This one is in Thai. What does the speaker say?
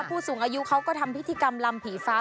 ผู้สูงอายุเขาก็ทำพิธีกรรมลำผีฟ้า